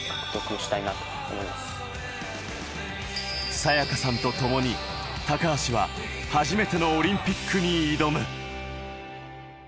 早耶架さんと共に高橋は初めてのオリンピックに挑む。